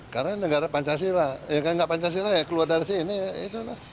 karena negara pancasila ya enggak pancasila ya keluar dari sini